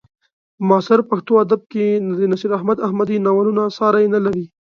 په معاصر پښتو ادب کې د نصیر احمد احمدي ناولونه ساری نه لري.